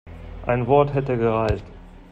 Ein Wort hätte gereicht.